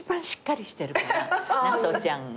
なとちゃんが。